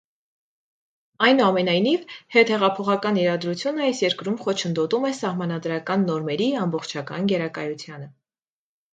Այնուամենայնիվ, հետհեղափոխական իրադրությունը այս երկրում խոչընդոտում է սահմանադրական նորմերի ամբողջական գերակայությանը։